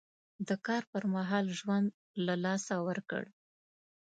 د کار پر مهال ژوند له لاسه ورکړ.